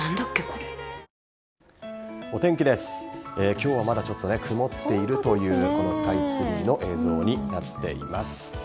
今日はまだちょっと曇っているというスカイツリーの映像になっています。